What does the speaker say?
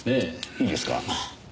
いいですか？